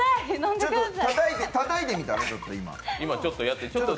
ちょっとたたいてみたら今。